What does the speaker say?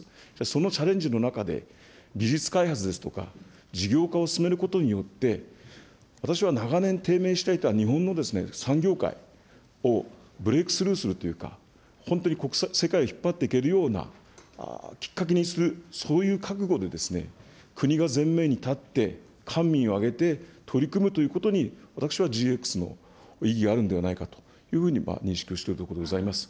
そのチャレンジの中で、技術開発ですとか、事業化を進めることによって、私は長年低迷していた日本の産業界をブレークスルーするというか、本当に世界を引っ張っていけるようなきっかけにする、そういう覚悟で国が前面に立って、官民を挙げて取り組むということに、私はＧＸの意義があるんではないかというふうに認識をしておるところでございます。